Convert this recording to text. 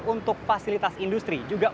untuk fasilitas industri juga